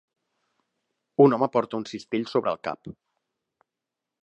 Un home porta un cistell a sobre el cap.